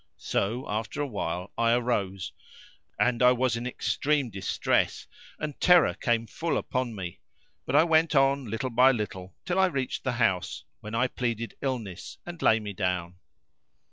So after a while I arose and I was in extreme distress and terror came full upon me; but I went on little by little till I reached the house when I pleaded illness and lay me down.